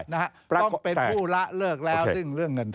ต้องเป็นผู้ละเลิกแล้วซึ่งเรื่องเงิน